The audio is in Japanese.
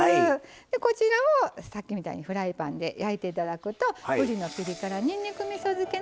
こちらをさっきみたいにフライパンで焼いて頂くとぶりのピリ辛にんにくみそ漬けの出来上がりになります。